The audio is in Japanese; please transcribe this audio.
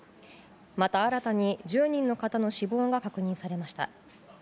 また、新たに１０人の方の死亡が確認されました。